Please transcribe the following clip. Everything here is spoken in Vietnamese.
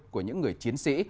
của những người chiến sĩ